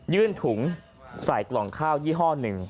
ยื่นถุงสายกล่องข้าวยี่ห้อหนึ่ง